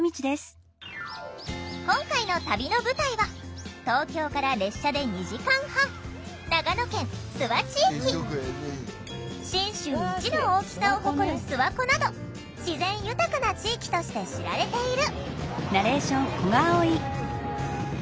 今回の旅の舞台は東京から列車で２時間半信州一の大きさを誇る諏訪湖など自然豊かな地域として知られている。